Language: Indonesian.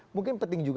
mungkin penting juga